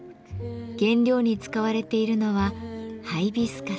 原料に使われているのはハイビスカス。